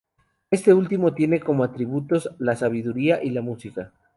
Este último tiene como atributos la sabiduría y la música.